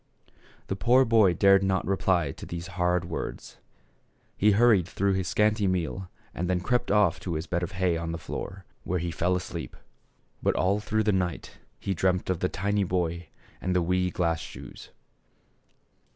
The poor boy dared not reply to these hard words ; he hurried through his scanty meal and then crept off to his bed of hay on the floor, where he fell asleep. But all through the night he dreamed of the tiny boy and the wee glass shoes.